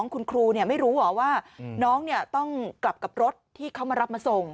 คุณครูไม่รู้เหรอว่าน้องต้องกลับกับรถที่เขามารับมาส่ง